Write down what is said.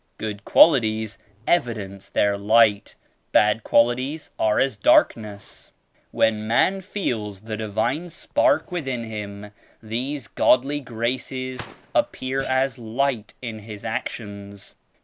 Good qualities evidence their light; bad qualities are as darkness. When man feels the Divine Spark within him these godly graces appear as light in his actions.